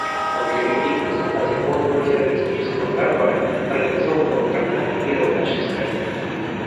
Он был убит в результате подлого террористического заговора, организованного врагами мира в нашей стране.